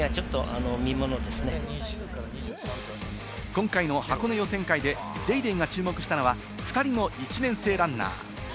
今回の箱根予選会で『ＤａｙＤａｙ．』が注目したのは、２人の１年生ランナー。